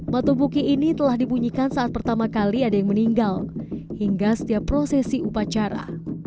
batu buki ini telah dibunyikan saat pertama kali ada yang meninggal hingga setiap prosesi upacara